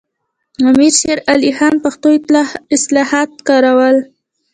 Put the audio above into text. امیر شیر علي خان پښتو اصطلاحات کارول.